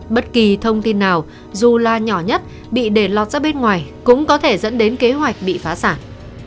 bất kỳ thông tin nào dù là nhỏ nhất bị để lọt ra bên ngoài cũng có thể dẫn đến kế hoạch bị phá sản